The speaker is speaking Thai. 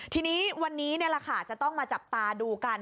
ทีนี้วันนี้จะต้องมาจับตาดูกัน